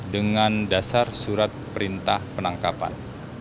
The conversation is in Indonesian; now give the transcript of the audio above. dengan dasar surat perintah penangkapan